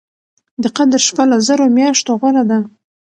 د قدر شپه له زرو مياشتو غوره ده